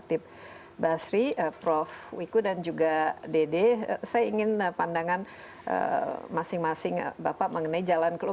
terima kasih bapak mengenai jalan ke luar